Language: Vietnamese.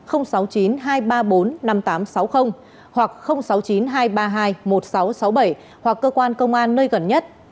hoặc sáu mươi chín hai trăm ba mươi hai một nghìn sáu trăm sáu mươi bảy hoặc cơ quan công an nơi gần nhất